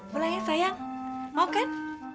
boleh sayang mau kan